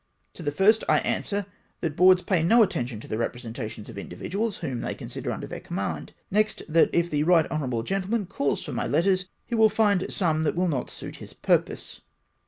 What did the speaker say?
To the first, I answer, that Boaixls pay no attention to the representations of individuals whom they consider under their command ; next, that if the Eight Honourable gentleman calls for my letters, he will find some that will not suit his purpose.